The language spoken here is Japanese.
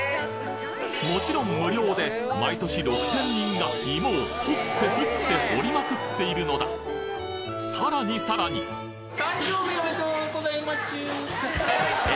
もちろん無料で毎年６，０００人が芋を掘って掘って掘りまくっているのださらにさらにえ？